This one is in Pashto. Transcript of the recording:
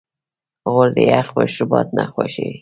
غول د یخ مشروبات نه خوښوي.